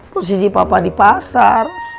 posisi papa di pasar